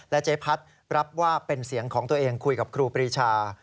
เจ๊พัดรับว่าเป็นเสียงของตัวเองคุยกับครูปรีชา